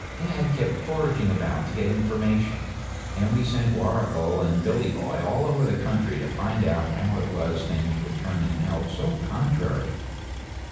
Dad kept foraging about to get information, and we sent Warrigal and Billy the Boy all over the country to find out how it was things were turning out so contrary.